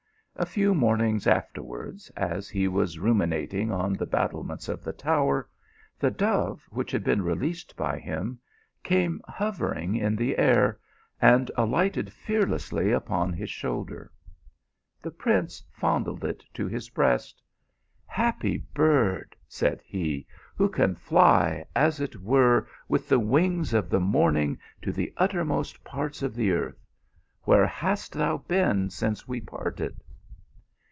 A few mornings afterwards, as he was ru minating on the battlements of the tower, the dove which had been released by him came hovering in the air. and alighted fearlessly upon his shoulder. The prince fondled it to his breast. " Happy bird, said he, " who can fly, as it were, with the wings of the morning to the uttermost parts of the earth. Where hast thou been since we parted